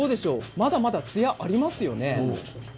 まだまだ、つやがありますよね。